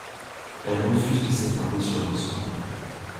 Elle refuse de s’attarder sur leur sort.